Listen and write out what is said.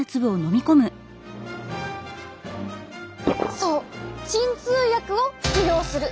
そう鎮痛薬を服用する！